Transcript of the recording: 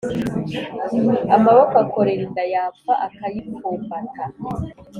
Amaboko akorera inda yapfa akayipfumbata.